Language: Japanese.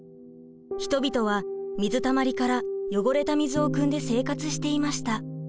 人々は水たまりから汚れた水をくんで生活していました。